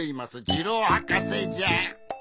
ジローはかせじゃ。